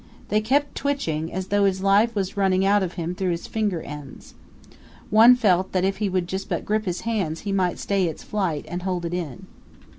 They kept twitching, as though his life was running out of him through his finger ends. One felt that if he would but grip his hands he might stay its flight and hold it in.